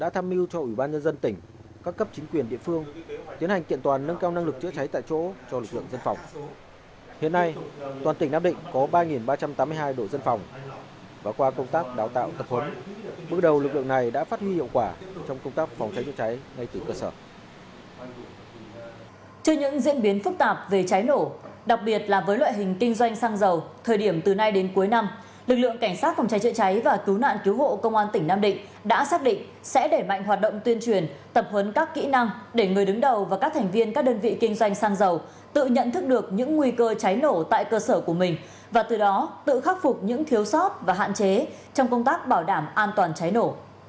thời điểm từ nay đến cuối năm lực lượng cảnh sát phòng cháy chứ cháy và cứu nạn cứu hộ công an tỉnh nam định đã xác định sẽ để mạnh hoạt động tuyên truyền tập huấn các kỹ năng để người đứng đầu và các thành viên các đơn vị kinh doanh sang giàu tự nhận thức được những nguy cơ cháy nổ tại cơ sở của mình và từ đó tự khắc phục những thiếu sót và hạn chế trong công tác bảo đảm an toàn cháy nổ